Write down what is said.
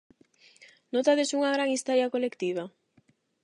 Notades unha gran histeria colectiva?